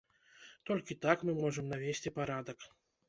Толькі так мы можам навесці парадак.